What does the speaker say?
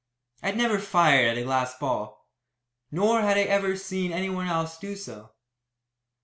I had never fired at a glass ball, nor had I ever seen anyone else do so.